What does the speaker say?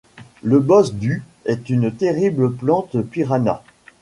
Le Boss du est une terrible Plante Piranha.